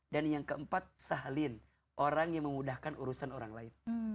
dan yang keempat sahalin orang yang memudahkan urusan orang lain